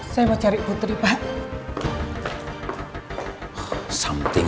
saya mau cari putri pak